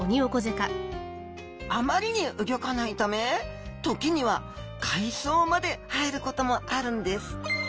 あまりに動かないため時には海藻まで生えることもあるんです。